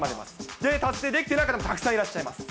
で、達成できていない方、たくさんいらっしゃいます。